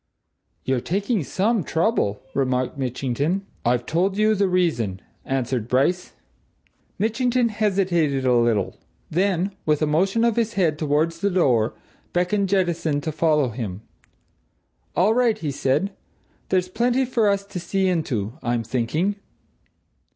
"You're taking some trouble," remarked Mitchington. "I've told you the reason," answered Bryce. Mitchington hesitated a little; then, with a motion of his head towards the door, beckoned Jettison to follow him. "All right," he said. "There's plenty for us to see into, I'm thinking!"